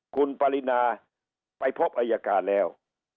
คุณปรินาไปพบอายการแล้ว